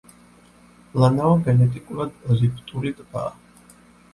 ლანაო გენეტიკურად რიფტული ტბაა.